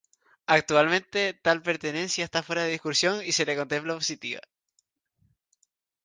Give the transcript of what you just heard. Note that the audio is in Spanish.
Actualmente tal pertenencia está fuera de discusión y se la contempla como positiva.